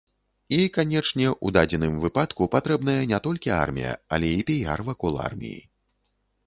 І, канечне, у дадзеным выпадку патрэбная не толькі армія, але і піяр вакол арміі.